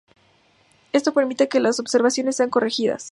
Esto permite que las observaciones sean corregidas.